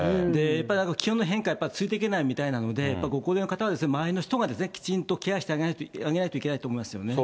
やっぱりなんか気温の変化、ついていけないみたいなので、やっぱご高齢の方は、周りの人がきちんとケアしてあげないといけないと思いますよね。